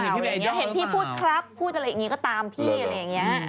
เห็นพี่พูดครับพูดอะไรอย่างนี้ก็ตามพี่อะไรอย่างนี้